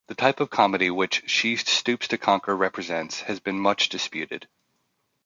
The type of comedy which "She Stoops to Conquer" represents has been much disputed.